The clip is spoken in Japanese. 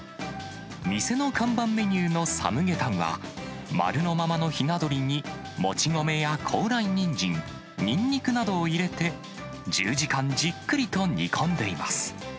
店の看板メニューのサムゲタンは、まるのままのひな鶏に、もち米や高麗ニンジン、ニンニクなどを入れて、１０時間じっくりと煮込んでいます。